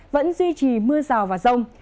vẫn duy trì mưa rào và rông